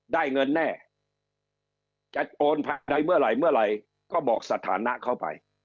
ได้เมื่อไหร่เมื่อไหร่ก็บอกสถานะเข้าไป